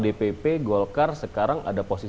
dpp golkar sekarang ada